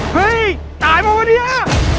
เฮ้ยตายป่ะวะเนี่ย